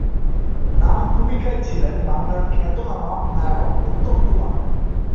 নামভূমিকায় ছিলেন বাংলার খ্যাতনামা নায়ক উত্তম কুমার।